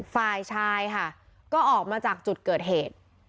ฝ่ายชายค่ะก็ออกมาจากจุดเกิดเหตุ